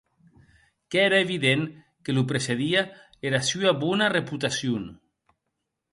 Qu'ère evident que lo precedie era sua bona reputacion.